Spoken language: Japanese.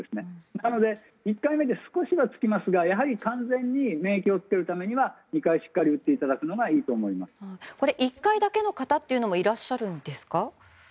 なので、１回目で少しはつきますが、やはり完全に免疫をつけるためには２回しっかり打っていただくのが１回だけの方というのもいらっしゃるんですか？